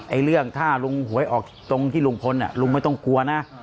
เรื่องถ้าลุงหวยออกตรงที่ลุงพลลุงไม่ต้องกลัวนะ